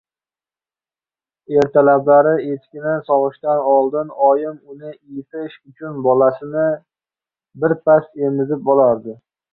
Ertalablari echkini sog‘ishdan oldin oyim uni iyitish uchun bolasini birpas emizib olardi.